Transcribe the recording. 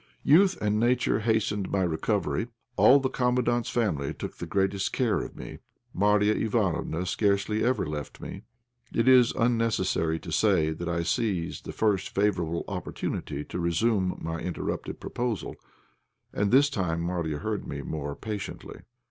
Youth and nature hastened my recovery. All the Commandant's family took the greatest care of me. Marya Ivánofna scarcely ever left me. It is unnecessary to say that I seized the first favourable opportunity to resume my interrupted proposal, and this time Marya heard me more patiently.